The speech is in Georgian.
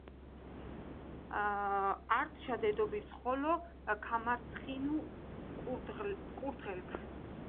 ართშა დედიბის ხოლო ქამარცხინუ კურდღელქ."